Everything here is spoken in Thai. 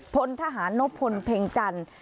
พลทหารนพลเพ็งจันทร์